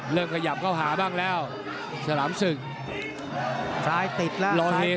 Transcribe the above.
เริ่มขยับเข้าหาบ้างแล้วสลามสึกซ้ายติดแล้วซ้ายติด